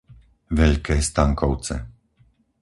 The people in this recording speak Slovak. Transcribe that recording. Veľké Stankovce